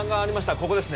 ここですね